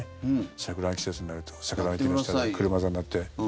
桜の季節になると桜の木の下で車座になって。